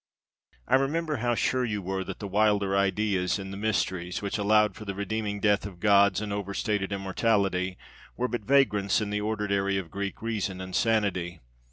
I remember how sure you were that the wilder ideas in the Mysteries, which allowed for the redeeming death of gods and over stated immortality, were but vagrants in the ordered area of Greek reason and sanity.